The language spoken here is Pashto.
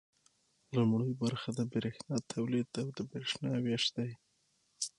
لومړی برخه د برق تولید او د برق ویش دی.